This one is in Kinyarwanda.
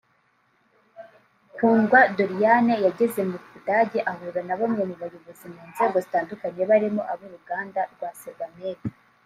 Kundwa Doriane yageze mu Budage ahura na bamwe mu bayobozi mu nzego zitandukanye barimo ab’uruganda rwa Sebamed